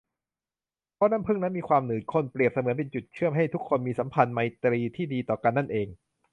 เพราะน้ำผึ้งนั้นมีความหนืดข้น เปรียบเสมือนเป็นจุดเชื่อมให้ทุกคนมีสัมพันธไมตรีที่ดีต่อกันนั่นเอง